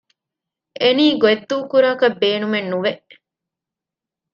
އެނީ ގޮތްދޫކުރާކަށް ބޭނުމެއް ނުވެ